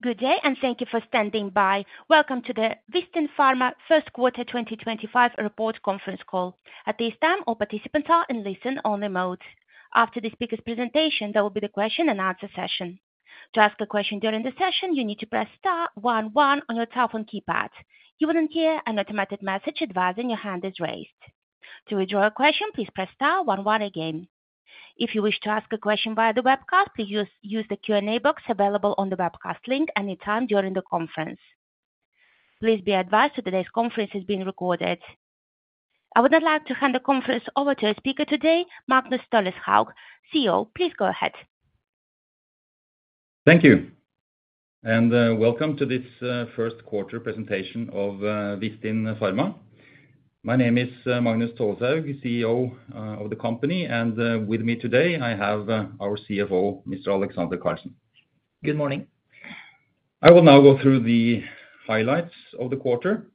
Good day, and thank you for standing by. Welcome to the Vistin Pharma First Quarter 2025 Report Conference Call. At this time, all participants are in listen-only mode. After the speaker's presentation, there will be the question-and-answer session. To ask a question during the session, you need to press star one one on your telephone keypad. You will then hear an automated message advising your hand is raised. To withdraw a question, please press star one one again. If you wish to ask a question via the webcast, please use the Q&A box available on the webcast link anytime during the conference. Please be advised that today's conference is being recorded. I would now like to hand the conference over to our speaker today, Magnus Tolleshaug, CEO. Please go ahead. Thank you, and welcome to this First Quarter presentation of Vistin Pharma. My name is Magnus Tolleshaug, CEO of the company, and with me today, I have our CFO, Mr. Alexander Karlsen. Good morning. I will now go through the highlights of the quarter.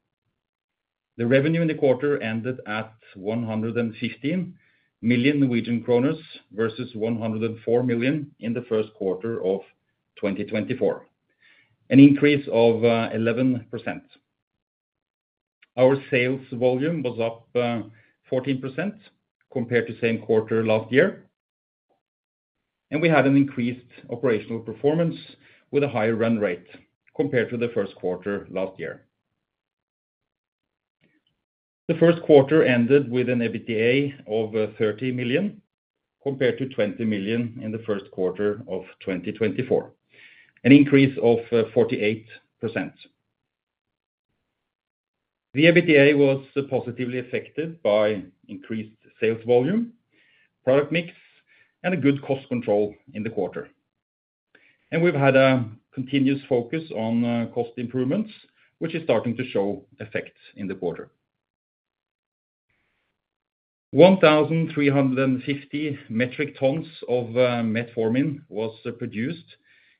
The revenue in the quarter ended at 115 million Norwegian kroner versus 104 million in the first quarter of 2024, an increase of 11%. Our sales volume was up 14% compared to the same quarter last year, and we had an increased operational performance with a higher run rate compared to the first quarter last year. The first quarter ended with an EBITDA of 30 million compared to 20 million in the first quarter of 2024, an increase of 48%. The EBITDA was positively affected by increased sales volume, product mix, and good cost control in the quarter, and we've had a continuous focus on cost improvements, which is starting to show effects in the quarter. 1,350 metric tons of metformin was produced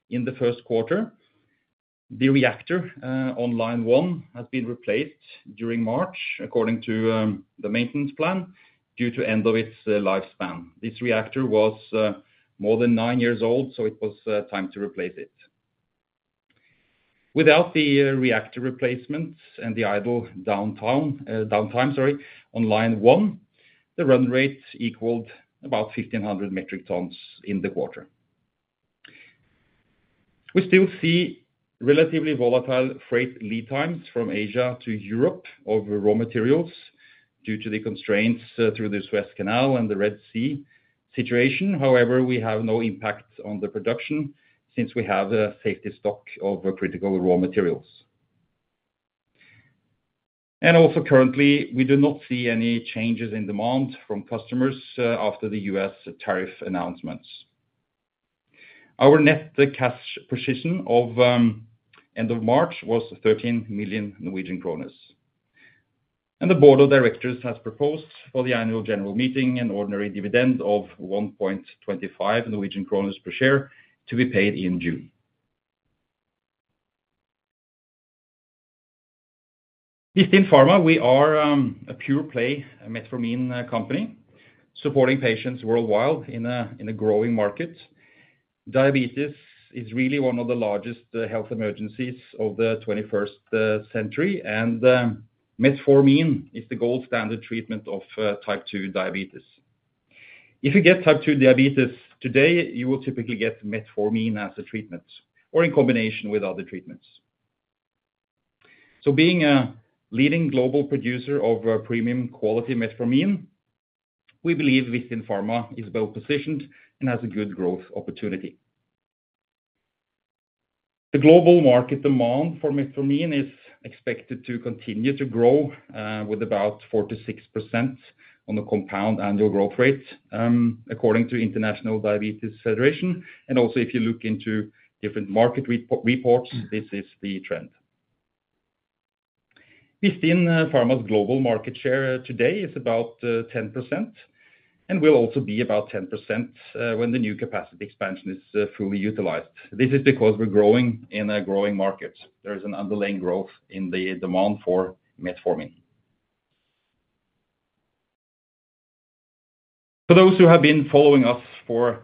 in the first quarter. The reactor on line one has been replaced during March, according to the maintenance plan, due to the end of its lifespan. This reactor was more than nine years old, so it was time to replace it. Without the reactor replacement and the idle downtime on line one, the run rate equaled about 1,500 metric tons in the quarter. We still see relatively volatile freight lead times from Asia to Europe of raw materials due to the constraints through the Suez Canal and the Red Sea situation. However, we have no impact on the production since we have a safety stock of critical raw materials. Also, currently, we do not see any changes in demand from customers after the US tariff announcements. Our net cash position of end of March was 13 million Norwegian kroner, and the board of directors has proposed for the annual general meeting an ordinary dividend of 1.25 Norwegian kroner per share to be paid in June. Vistin Pharma, we are a pure-play metformin company, supporting patients worldwide in a growing market. Diabetes is really one of the largest health emergencies of the 21st century, and metformin is the gold standard treatment of type 2 diabetes. If you get type 2 diabetes today, you will typically get metformin as a treatment or in combination with other treatments. Being a leading global producer of premium quality metformin, we believe Vistin Pharma is well positioned and has a good growth opportunity. The global market demand for metformin is expected to continue to grow with about 4-6% on the compound annual growth rate, according to the International Diabetes Federation. If you look into different market reports, this is the trend. Vistin Pharma's global market share today is about 10%, and will also be about 10% when the new capacity expansion is fully utilized. This is because we're growing in a growing market. There is an underlying growth in the demand for metformin. For those who have been following us for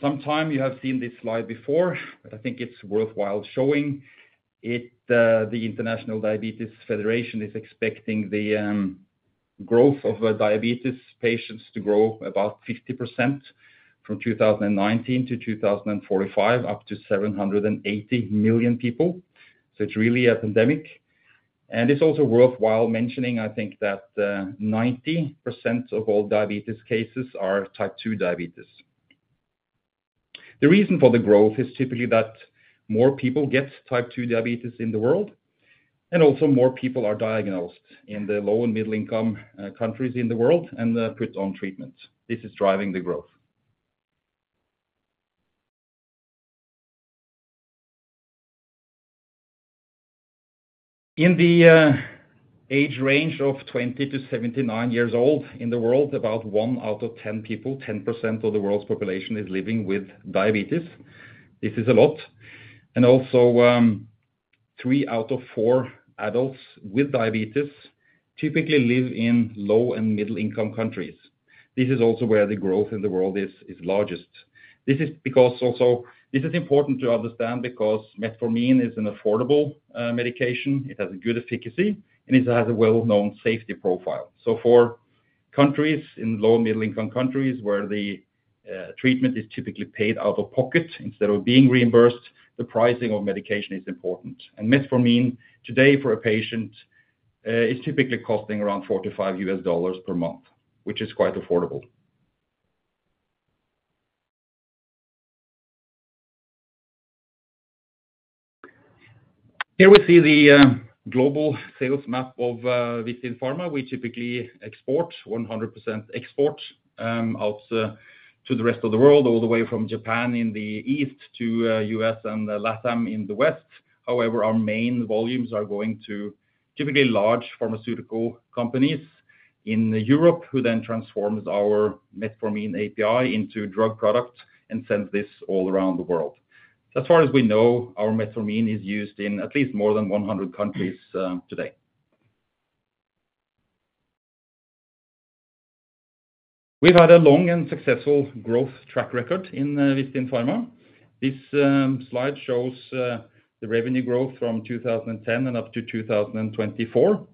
some time, you have seen this slide before, but I think it's worthwhile showing it. The International Diabetes Federation is expecting the growth of diabetes patients to grow about 50% from 2019 to 2045, up to 780 million people. It's really a pandemic, and it's also worthwhile mentioning, I think, that 90% of all diabetes cases are type 2 diabetes. The reason for the growth is typically that more people get type 2 diabetes in the world, and also more people are diagnosed in the low and middle-income countries in the world and put on treatment. This is driving the growth. In the age range of 20 to 79 years old in the world, about one out of 10 people, 10% of the world's population, is living with diabetes. This is a lot, and also three out of four adults with diabetes typically live in low and middle-income countries. This is also where the growth in the world is largest. This is important to understand because metformin is an affordable medication. It has a good efficacy, and it has a well-known safety profile. For countries in low and middle-income countries where the treatment is typically paid out of pocket instead of being reimbursed, the pricing of medication is important, and metformin today for a patient is typically costing around $45 per month, which is quite affordable. Here we see the global sales map of Vistin Pharma. We typically export 100% export out to the rest of the world, all the way from Japan in the east to the US and LATAM in the west. However, our main volumes are going to typically large pharmaceutical companies in Europe, who then transform our metformin API into drug product and send this all around the world. As far as we know, our metformin is used in at least more than 100 countries today. We've had a long and successful growth track record in Vistin Pharma. This slide shows the revenue growth from 2010 and up to 2024,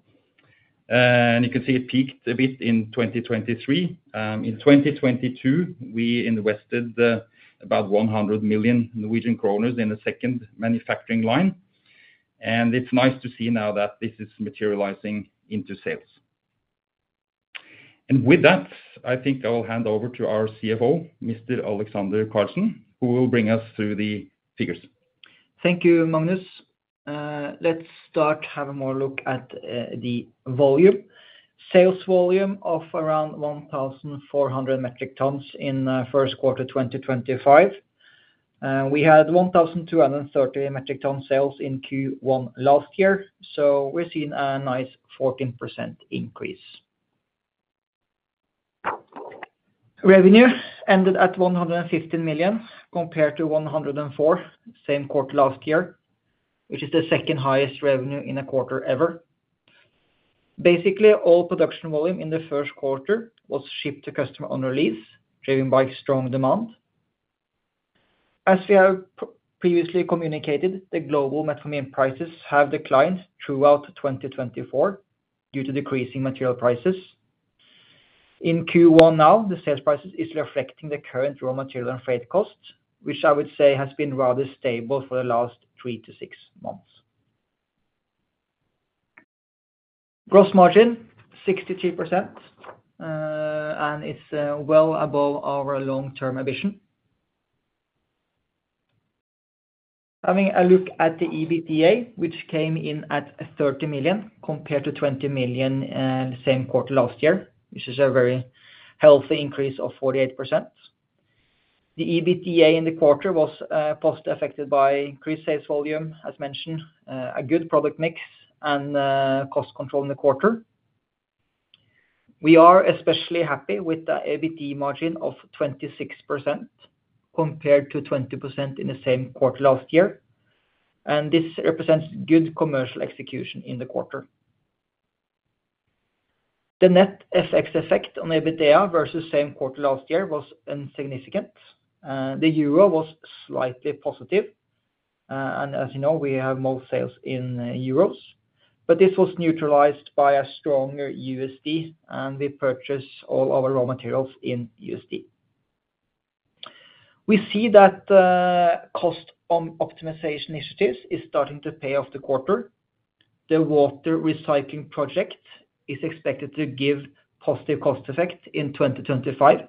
and you can see it peaked a bit in 2023. In 2022, we invested about 100 million Norwegian kroner in a second manufacturing line, and it's nice to see now that this is materializing into sales. With that, I think I will hand over to our CFO, Mr. Alexander Karlsen, who will bring us through the figures. Thank you, Magnus. Let's start having a more look at the volume. Sales volume of around 1,400 metric tons in the first quarter 2025. We had 1,230 metric tons sales in Q1 last year, so we've seen a nice 14% increase. Revenue ended at 115 million compared to 104 million same quarter last year, which is the second highest revenue in a quarter ever. Basically, all production volume in the first quarter was shipped to customer on release, driven by strong demand. As we have previously communicated, the global metformin prices have declined throughout 2024 due to decreasing material prices. In Q1 now, the sales price is reflecting the current raw material and freight cost, which I would say has been rather stable for the last three to six months. Gross margin 62%, and it's well above our long-term ambition. Having a look at the EBITDA, which came in at 30 million compared to 20 million same quarter last year, which is a very healthy increase of 48%. The EBITDA in the quarter was positively affected by increased sales volume, as mentioned, a good product mix, and cost control in the quarter. We are especially happy with the EBITDA margin of 26% compared to 20% in the same quarter last year, and this represents good commercial execution in the quarter. The net FX effect on EBITDA versus same quarter last year was insignificant. The euro was slightly positive, and as you know, we have more sales in euros, but this was neutralized by a stronger USD, and we purchase all our raw materials in USD. We see that cost optimization initiatives are starting to pay off the quarter. The water recycling project is expected to give a positive cost effect in 2025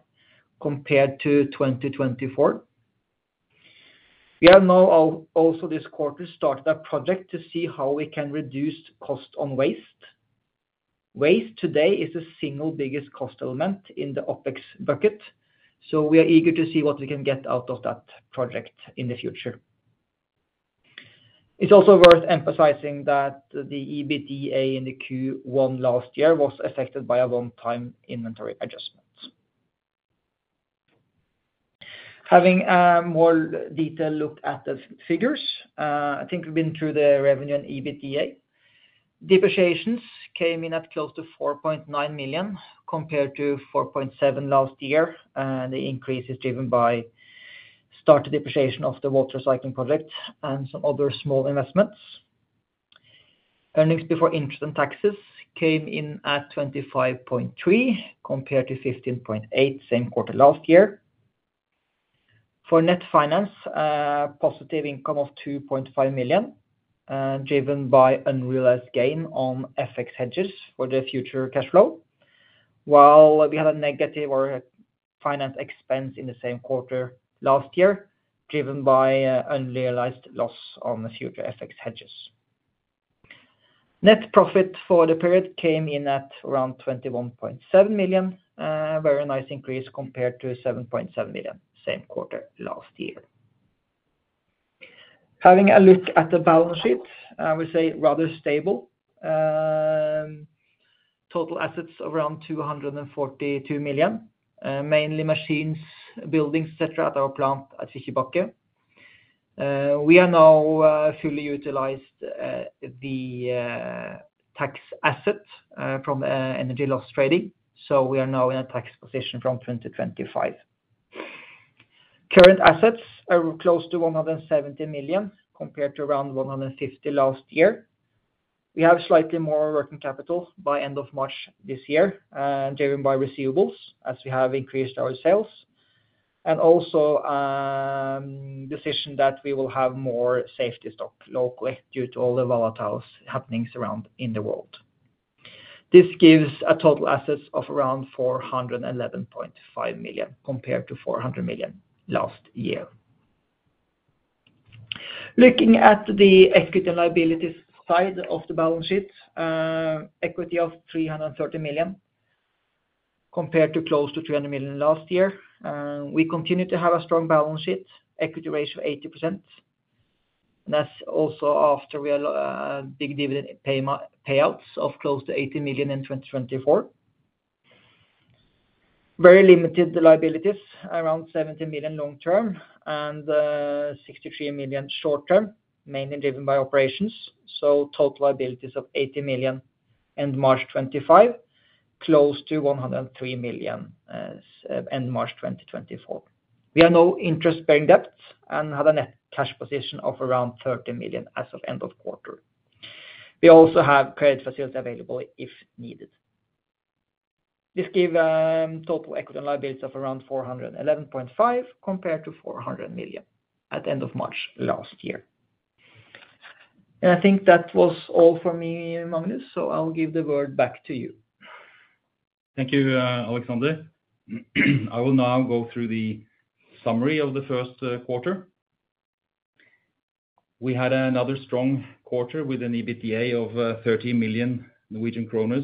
compared to 2024. We have now also this quarter started a project to see how we can reduce cost on waste. Waste today is the single biggest cost element in the OPEX bucket, so we are eager to see what we can get out of that project in the future. It's also worth emphasizing that the EBITDA in the Q1 last year was affected by a one-time inventory adjustment. Having a more detailed look at the figures, I think we've been through the revenue and EBITDA. Depreciations came in at close to 4.9 million compared to 4.7 million last year, and the increase is driven by the start of depreciation of the water recycling project and some other small investments. Earnings before interest and taxes came in at 25.3 million compared to 15.8 million same quarter last year. For net finance, a positive income of 2.5 million driven by unrealized gain on FX hedges for the future cash flow, while we had a negative or finance expense in the same quarter last year driven by unrealized loss on the future FX hedges. Net profit for the period came in at around 21.7 million, a very nice increase compared to 7.7 million same quarter last year. Having a look at the balance sheet, we say rather stable. Total assets of around 242 million, mainly machines, buildings, etc., at our plant at Fikkjebakke. We have now fully utilized the tax asset from energy loss trading, so we are now in a tax position from 2025. Current assets are close to 170 million compared to around 150 million last year. We have slightly more working capital by the end of March this year, driven by receivables as we have increased our sales and also the decision that we will have more safety stock locally due to all the volatile happenings around in the world. This gives a total assets of around 411.5 million compared to 400 million last year. Looking at the equity and liabilities side of the balance sheet, equity of 330 million compared to close to 200 million last year. We continue to have a strong balance sheet, equity ratio 80%, and that's also after we had big dividend payouts of close to 80 million in 2024. Very limited liabilities, around 70 million long term and 63 million short term, mainly driven by operations. Total liabilities of 80 million end March 2025, close to 103 million end March 2024. We have no interest-bearing debt and had a net cash position of around 30 million as of end of quarter. We also have credit facility available if needed. This gives a total equity and liabilities of around 411.5 million compared to 400 million at the end of March last year. I think that was all for me, Magnus, so I'll give the word back to you. Thank you, Alexander. I will now go through the summary of the first quarter. We had another strong quarter with an EBITDA of 30 million Norwegian kroner.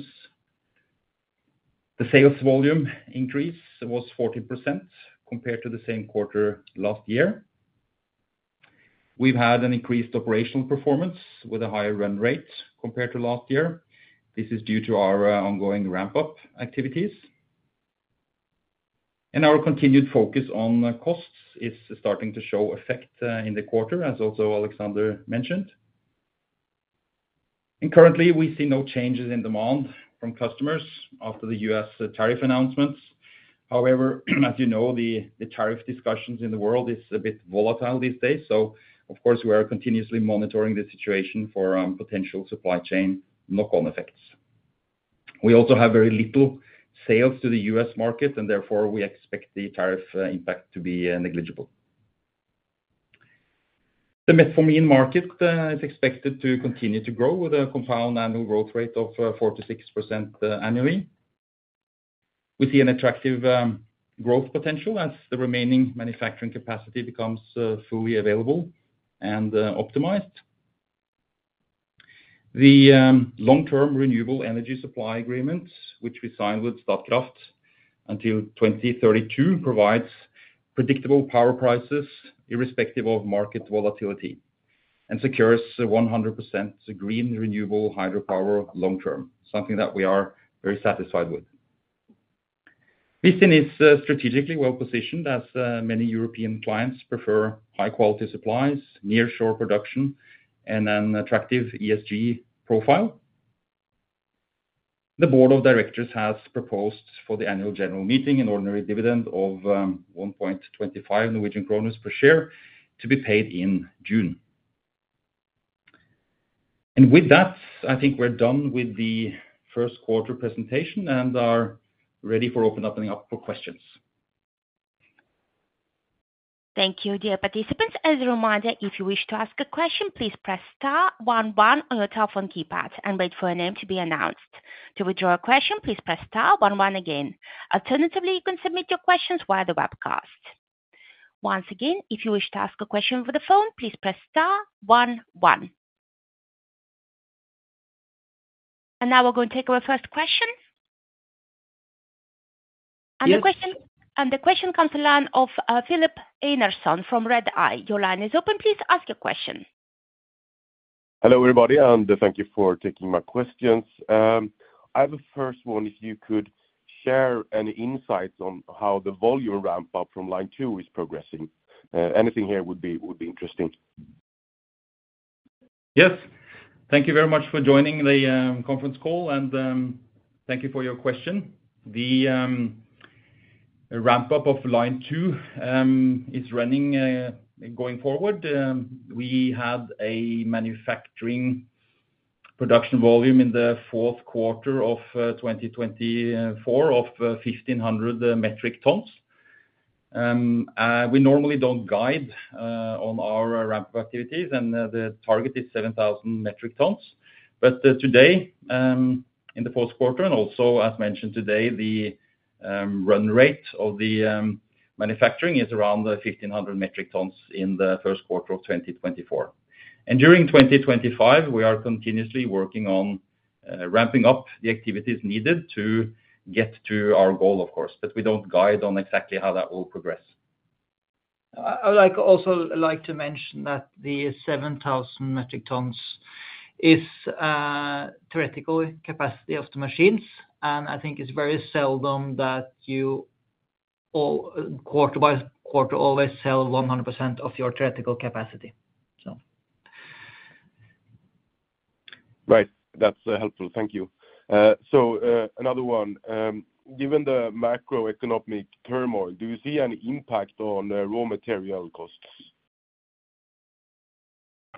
The sales volume increase was 14% compared to the same quarter last year. We've had an increased operational performance with a higher run rate compared to last year. This is due to our ongoing ramp-up activities, and our continued focus on costs is starting to show effect in the quarter, as also Alexander mentioned. Currently, we see no changes in demand from customers after the US tariff announcements. However, as you know, the tariff discussions in the world are a bit volatile these days, so of course, we are continuously monitoring the situation for potential supply chain knock-on effects. We also have very little sales to the US market, and therefore, we expect the tariff impact to be negligible. The metformin market is expected to continue to grow with a compound annual growth rate of 4-6% annually. We see an attractive growth potential as the remaining manufacturing capacity becomes fully available and optimized. The long-term renewable energy supply agreement, which we signed with Statkraft until 2032, provides predictable power prices irrespective of market volatility and secures 100% green renewable hydropower long term, something that we are very satisfied with. Vistin is strategically well positioned, as many European clients prefer high-quality supplies, near-shore production, and an attractive ESG profile. The board of directors has proposed for the annual general meeting an ordinary dividend of 1.25 Norwegian kroner per share to be paid in June. I think we're done with the first quarter presentation and are ready for opening up for questions. Thank you, dear participants. As a reminder, if you wish to ask a question, please press *11 on your telephone keypad and wait for your name to be announced. To withdraw a question, please press *11 again. Alternatively, you can submit your questions via the webcast. Once again, if you wish to ask a question over the phone, please press *11. Now we are going to take our first question. The question comes from the line of Filip Einarsson from Red Eye. Your line is open. Please ask your question. Hello everybody, and thank you for taking my questions. I have a first one. If you could share any insights on how the volume ramp-up from line two is progressing, anything here would be interesting. Yes, thank you very much for joining the conference call, and thank you for your question. The ramp-up of line two is running going forward. We had a manufacturing production volume in the fourth quarter of 2024 of 1,500 metric tons. We normally do not guide on our ramp-up activities, and the target is 7,000 metric tons. Today, in the fourth quarter, and also, as mentioned today, the run rate of the manufacturing is around 1,500 metric tons in the first quarter of 2024. During 2025, we are continuously working on ramping up the activities needed to get to our goal, of course, but we do not guide on exactly how that will progress. I would also like to mention that the 7,000 metric tons is theoretical capacity of the machines, and I think it's very seldom that you quarter by quarter always sell 100% of your theoretical capacity. Right, that's helpful. Thank you. Another one. Given the macroeconomic turmoil, do you see any impact on raw material costs?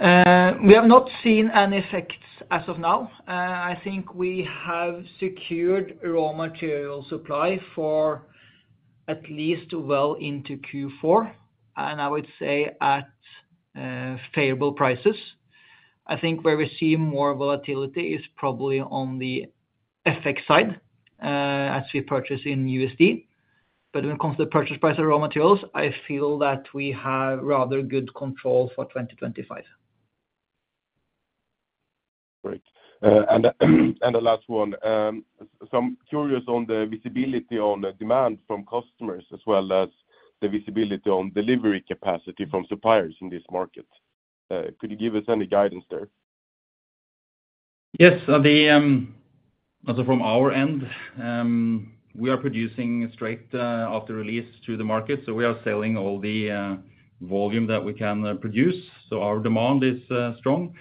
We have not seen any effects as of now. I think we have secured raw material supply for at least well into Q4, and I would say at favorable prices. I think where we see more volatility is probably on the FX side as we purchase in USD, but when it comes to the purchase price of raw materials, I feel that we have rather good control for 2025. Great. The last one. I'm curious on the visibility on demand from customers as well as the visibility on delivery capacity from suppliers in this market. Could you give us any guidance there? Yes, from our end, we are producing straight after release to the market, so we are selling all the volume that we can produce, so our demand is strong.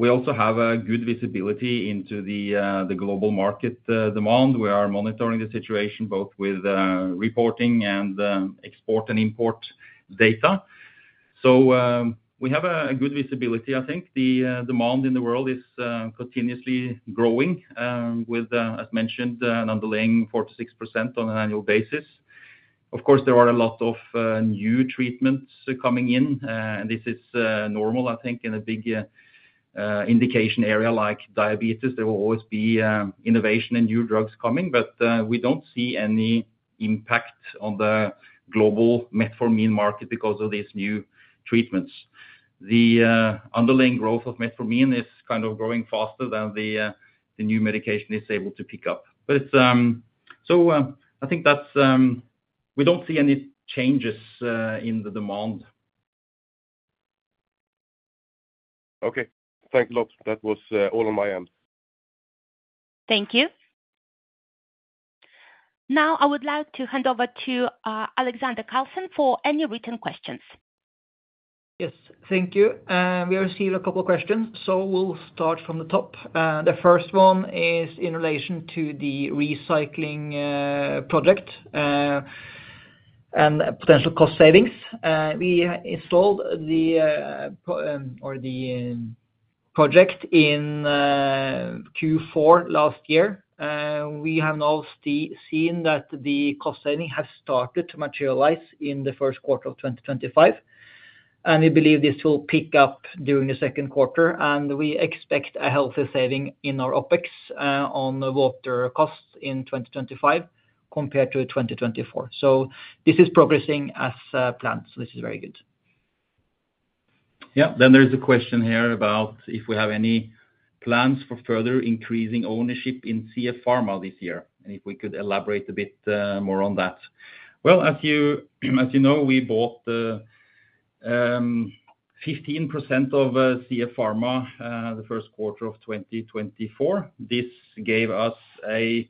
We also have good visibility into the global market demand. We are monitoring the situation both with reporting and export and import data. We have good visibility. I think the demand in the world is continuously growing with, as mentioned, an underlying 4-6% on an annual basis. Of course, there are a lot of new treatments coming in, and this is normal, I think, in a big indication area like diabetes. There will always be innovation and new drugs coming, but we do not see any impact on the global metformin market because of these new treatments. The underlying growth of metformin is kind of growing faster than the new medication is able to pick up. I think we don't see any changes in the demand. Okay, thank you a lot. That was all on my end. Thank you. Now I would like to hand over to Alexander Karlsen for any written questions. Yes, thank you. We received a couple of questions, so we'll start from the top. The first one is in relation to the recycling project and potential cost savings. We installed the project in Q4 last year. We have now seen that the cost saving has started to materialize in the first quarter of 2025, and we believe this will pick up during the second quarter. We expect a healthy saving in our OPEX on water costs in 2025 compared to 2024. This is progressing as planned, so this is very good. Yeah, then there's a question here about if we have any plans for further increasing ownership in CF Pharma this year and if we could elaborate a bit more on that. As you know, we bought 15% of CF Pharma the first quarter of 2024. This gave us a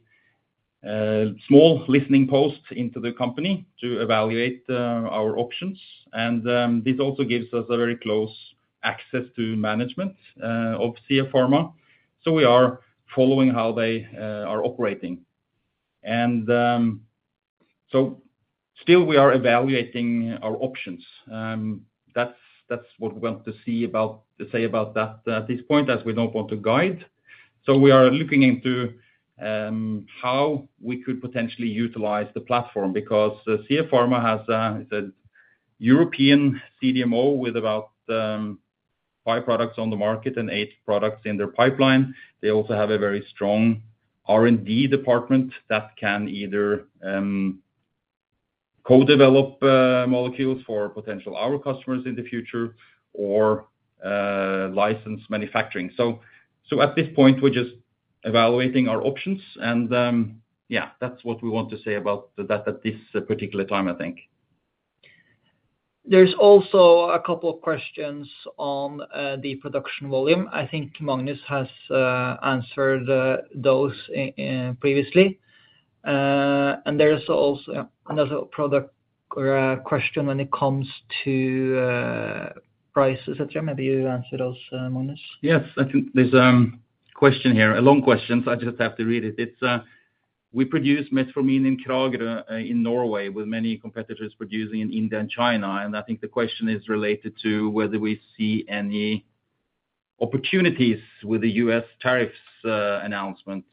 small listening post into the company to evaluate our options, and this also gives us very close access to management of CF Pharma. We are following how they are operating. We are still evaluating our options. That's what we want to say about that at this point, as we don't want to guide. We are looking into how we could potentially utilize the platform because CF Pharma has a European CDMO with about five products on the market and eight products in their pipeline. They also have a very strong R&D department that can either co-develop molecules for potential our customers in the future or license manufacturing. At this point, we're just evaluating our options, and yeah, that's what we want to say about that at this particular time, I think. There's also a couple of questions on the production volume. I think Magnus has answered those previously, and there's also a product question when it comes to price, etc. Maybe you answer those, Magnus? Yes, I think there's a question here, a long question, so I just have to read it. We produce metformin in Kragerø in Norway with many competitors producing in India and China, and I think the question is related to whether we see any opportunities with the US tariffs announcement,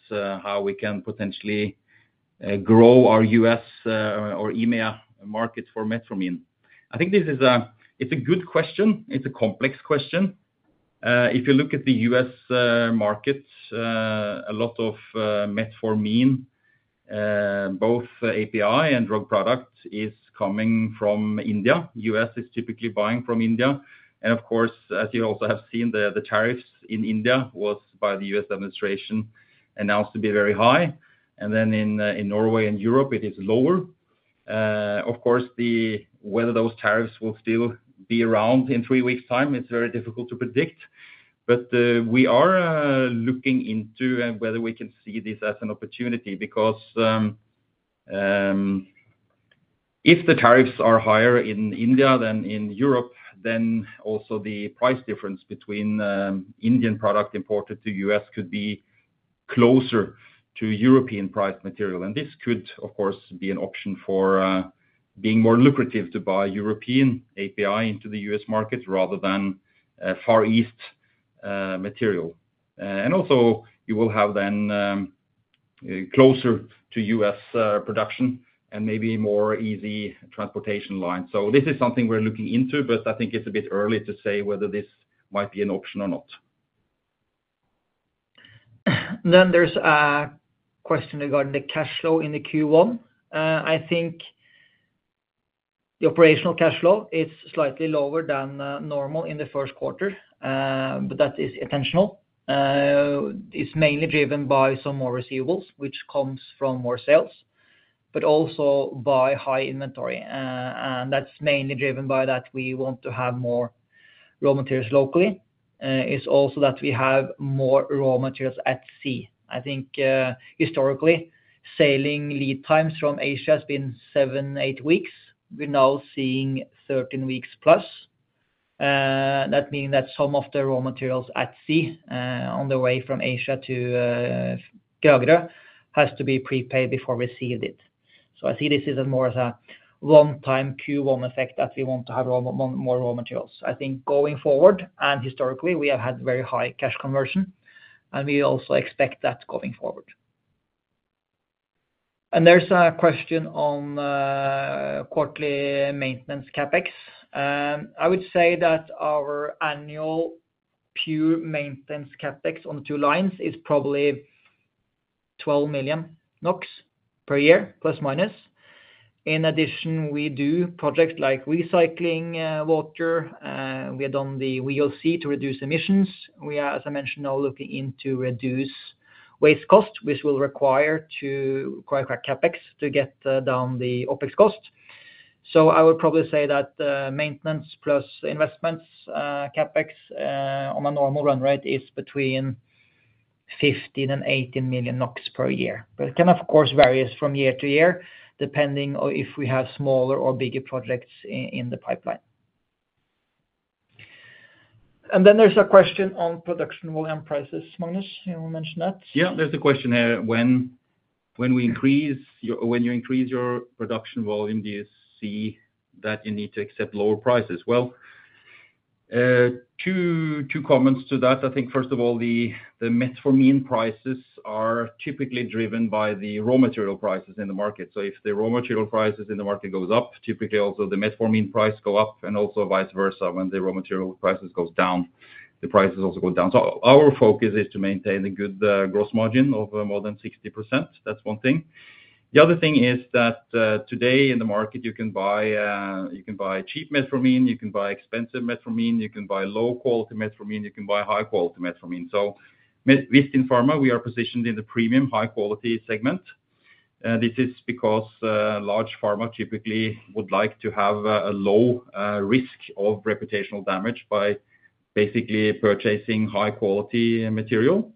how we can potentially grow our US or EMEA market for metformin. I think this is a good question. It's a complex question. If you look at the US market, a lot of metformin, both API and drug product, is coming from India. US is typically buying from India. As you also have seen, the tariffs in India were by the US administration announced to be very high, and then in Norway and Europe, it is lower. Of course, whether those tariffs will still be around in three weeks' time is very difficult to predict, but we are looking into whether we can see this as an opportunity because if the tariffs are higher in India than in Europe, then also the price difference between Indian product imported to US could be closer to European price material. This could, of course, be an option for being more lucrative to buy European API into the US market rather than Far East material. Also, you will have then closer to US production and maybe more easy transportation lines. This is something we're looking into, but I think it's a bit early to say whether this might be an option or not. There is a question regarding the cash flow in the Q1. I think the operational cash flow is slightly lower than normal in the first quarter, but that is intentional. It is mainly driven by some more receivables, which comes from more sales, but also by high inventory. That is mainly driven by that we want to have more raw materials locally. It is also that we have more raw materials at sea. I think historically, sailing lead times from Asia have been seven to eight weeks. We are now seeing 13 weeks plus, that meaning that some of the raw materials at sea on the way from Asia to Kragerø have to be prepaid before we receive it. I see this as more of a one-time Q1 effect that we want to have more raw materials. I think going forward, and historically, we have had very high cash conversion, and we also expect that going forward. There is a question on quarterly maintenance CapEx. I would say that our annual pure maintenance CapEx on the two lines is probably 12 million NOK per year, plus minus. In addition, we do projects like recycling water. We have done the WEOC to reduce emissions. We are, as I mentioned, now looking into reducing waste cost, which will require CapEx to get down the OPEX cost. I would probably say that maintenance plus investments, CapEx on a normal run rate is between 15-18 million NOK per year, but it can, of course, vary from year to year depending on if we have smaller or bigger projects in the pipeline. There is a question on production volume prices. Magnus, you mentioned that. Yeah, there's a question here: when you increase your production volume, do you see that you need to accept lower prices? Two comments to that. I think, first of all, the metformin prices are typically driven by the raw material prices in the market. If the raw material prices in the market go up, typically also the metformin price goes up, and also vice versa when the raw material prices go down, the prices also go down. Our focus is to maintain a good gross margin of more than 60%. That's one thing. The other thing is that today in the market, you can buy cheap metformin, you can buy expensive metformin, you can buy low-quality metformin, you can buy high-quality metformin. With Vistin Pharma, we are positioned in the premium high-quality segment. This is because large pharma typically would like to have a low risk of reputational damage by basically purchasing high-quality material.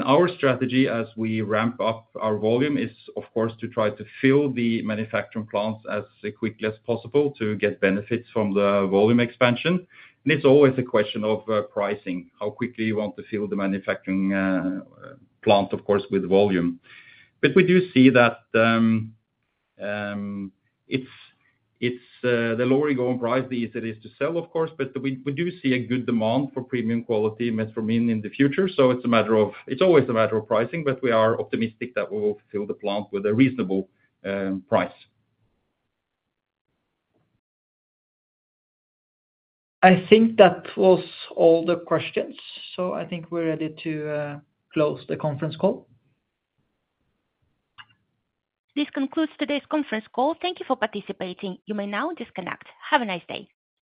Our strategy as we ramp up our volume is, of course, to try to fill the manufacturing plants as quickly as possible to get benefits from the volume expansion. It is always a question of pricing, how quickly you want to fill the manufacturing plant, of course, with volume. We do see that the lower you go in price, the easier it is to sell, of course, but we do see a good demand for premium quality metformin in the future. It is always a matter of pricing, but we are optimistic that we will fill the plant with a reasonable price. I think that was all the questions, so I think we're ready to close the conference call. This concludes today's conference call. Thank you for participating. You may now disconnect. Have a nice day.